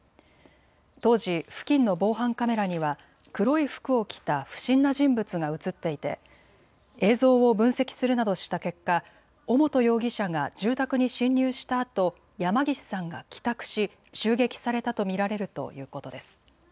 当時、付近の防犯カメラには黒い服を着た不審な人物が写っていて映像を分析するなどした結果、尾本容疑者が住宅に侵入したあと山岸さんが帰宅し襲撃されたと見られるということです。